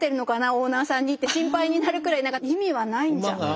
オーナーさんにって心配になるくらい意味はないんじゃないか。